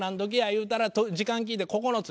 言うたら時間聞いて「９つ」。